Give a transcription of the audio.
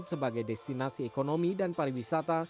sebagai destinasi ekonomi dan pariwisata